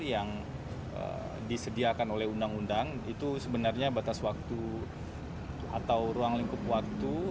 yang disediakan oleh undang undang itu sebenarnya batas waktu atau ruang lingkup waktu